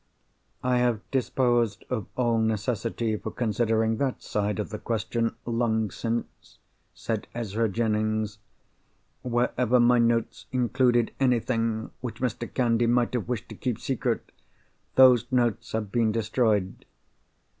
"I have disposed of all necessity for considering that side of the question, long since," said Ezra Jennings. "Wherever my notes included anything which Mr. Candy might have wished to keep secret, those notes have been destroyed.